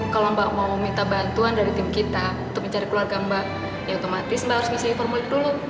kalau mbak mau meminta bantuan dari tim kita untuk mencari keluarga mbak ya otomatis mbak harus ngisi formulir dulu